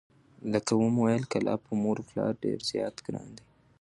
لکه ومو ویل کلاب په مور و پلار ډېر زیات ګران و،